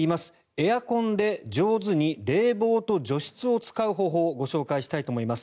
エアコンで上手に冷房と除湿を使う方法をご紹介したいと思います。